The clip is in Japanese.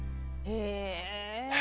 へえ。